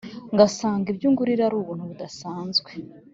Ngasanga ibyo ungilira arubuntu budasanzwe